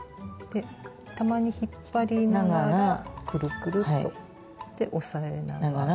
たまに引っ張りながらくるくるっと。で押さえながら。